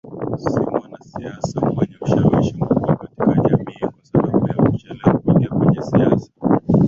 si mwanasiasa mwenye ushawishi mkubwa katika jamiiKwa sababu ya kuchelewa kuingia kwenye siasa